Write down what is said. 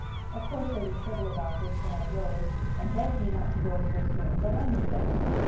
Of course they were civil about this when I rose, and begged me not to go so soon; but I knew better.